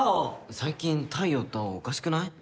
最近太陽と青おかしくない？